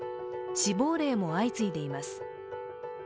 死亡例も相次いでいます。